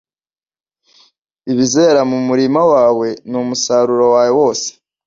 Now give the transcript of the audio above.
Ibizera mu murima wawe n’umusaruro wawe wose